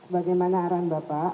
bagaimana arahan bapak